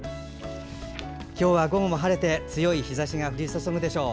今日は午後も晴れて強い日ざしが降り注ぐでしょう。